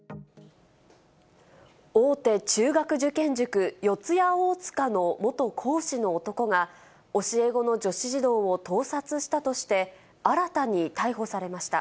大手中学受験塾、四谷大塚の元講師の男が、教え子の女子児童を盗撮したとして、新たに逮捕されました。